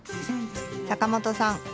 坂本さん